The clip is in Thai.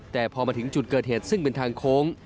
แต่พอมาถึงจุดเกิดเหตุซึ่งเป็นทางโค้ง